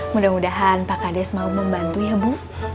mudah mudahan pak kades mau membantu ya bu